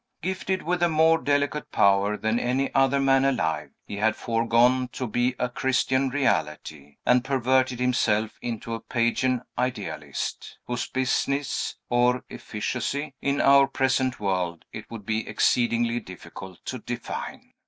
Gifted with a more delicate power than any other man alive, he had foregone to be a Christian reality, and perverted himself into a Pagan idealist, whose business or efficacy, in our present world, it would be exceedingly difficult to define.